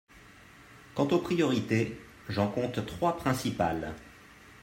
Quant aux priorités, j’en compte trois principales.